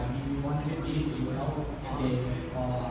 คุณคิดว่าเกินเท่าไหร่หรือไม่เกินเท่าไหร่